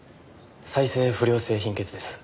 再生不良性貧血です。